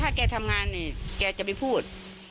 ถ้าแกทำงานนี่แกจะไปพูด